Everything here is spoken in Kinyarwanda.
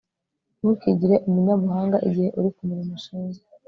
ntukigire umunyabuhanga igihe uri ku murimo ushinzwe